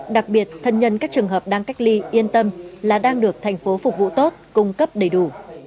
đặc biệt thân nhân các trường hợp đang cách ly yên tâm là đang được thành phố phục vụ tốt cung cấp đầy đủ